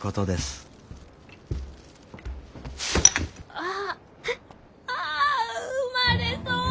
ああ産まれそう。